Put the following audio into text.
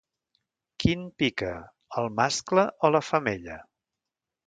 Quin pica, el mascle o la femella?